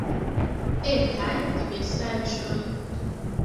Etaj diversaĵoj.